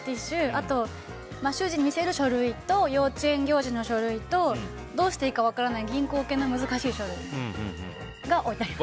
あと主人に見せる書類と幼稚園行事の書類とどうしていいか分からない銀行系の難しい書類が置いてあります。